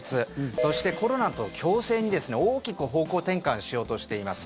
そして、コロナとの共生に大きく方向転換しようとしています。